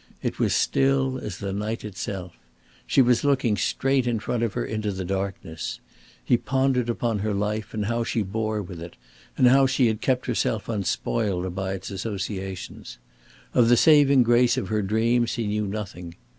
It was still as the night itself. She was looking straight in front of her into the darkness. He pondered upon her life and how she bore with it, and how she had kept herself unspoiled by its associations. Of the saving grace of her dreams he knew nothing.